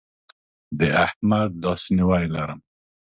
د احمد لاسنیوی لرم.